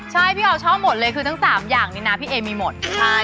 ใช่เขาก็ชอบหมดเลยทั้ง๓อย่างนี้พี่เอมีหมด